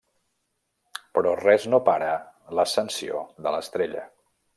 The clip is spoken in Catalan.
Però res no para l'ascensió de l'estrella.